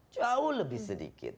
jauh lebih sedikit